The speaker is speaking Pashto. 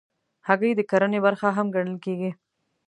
هګۍ د کرنې برخه هم ګڼل کېږي.